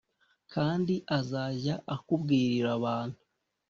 Kandi azajya akubwirira abantu